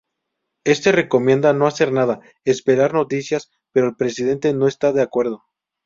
Este recomienda no hacer nada, esperar noticias, pero el Presidente no está de acuerdo.